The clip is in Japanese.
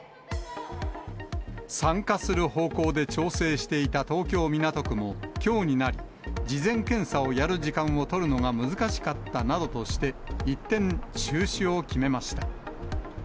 参加する方向で調整していた東京・港区も、きょうになり、事前検査をやる時間を取るのが難しかったなどとして、一転、中止を決めました。